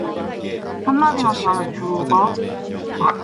한마디만 더하면 죽어?